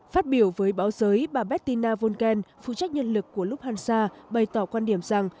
phát biểu với báo giới bà bettina wolken phụ trách nhân lực của lufthansa bày tỏ quan điểm rằng